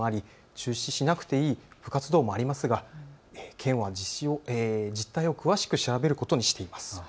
中止しなくていい部活動もありますが県は実態を詳しく調べることにしています。